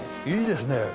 いいですね。